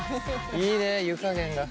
いいね湯加減が。